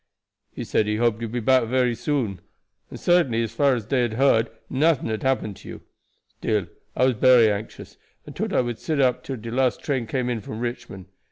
He said he hoped that you would be back soon; and certainly, as far as dey had heard, nuffin had happened to you. Still I was bery anxious, and tought I would sit up till de last train came in from Richmond.